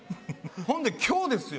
ほんで今日ですよ！